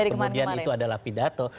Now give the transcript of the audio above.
kemudian itu adalah pidato